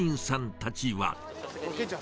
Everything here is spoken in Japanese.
健ちゃん。